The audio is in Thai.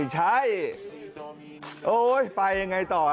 ใช่โอ๊ยไปยังไงต่อ